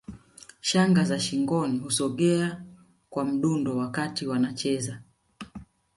Shanga za shingoni husogea kwa mdundo wakati wanacheza